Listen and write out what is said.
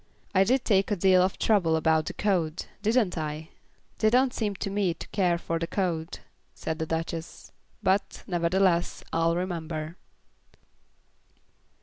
"I did take a deal of trouble about the code; didn't I?" "They don't seem to me to care for the code," said the Duchess, "but, nevertheless, I'll remember."